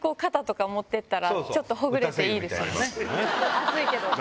熱いけど。